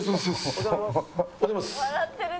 おはようございます！